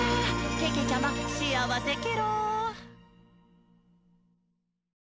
けけちゃま、しあわせケロ！」